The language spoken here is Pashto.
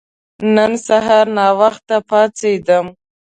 نن سهار ناوخته پاڅیدم.